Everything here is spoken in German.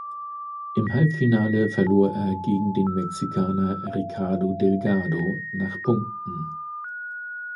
Im Halbfinale verlor er gegen den Mexikaner Ricardo Delgado nach Punkten.